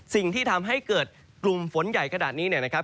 สิ่งที่ทำให้เกิดกลุ่มฝนใหญ่ขนาดนี้เนี่ยนะครับ